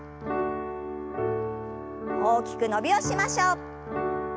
大きく伸びをしましょう。